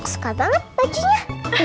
suka banget bajunya